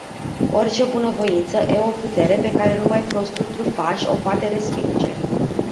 Orice bunavoință e o putere pe care numai prostul trufaș o poate respinge.